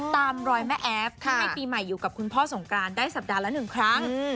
ตามรอยแม่แอฟที่ให้ปีใหม่อยู่กับคุณพ่อสงกรานได้สัปดาห์ละ๑ครั้ง